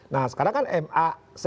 nah sekarang kan ma